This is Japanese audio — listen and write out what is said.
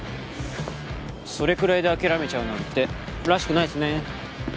それくらいで諦めちゃうなんてらしくないっすね。